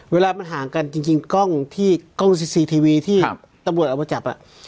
เวลามันห่างกันจริงกล้องที่กล้องซีทีวีที่ตำรวจเอามาจับ